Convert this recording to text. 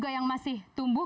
juga yang masih tumbuh